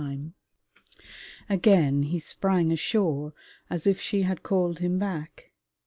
Again he sprang ashore as if she had called him back.